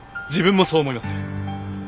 自分もそう思います。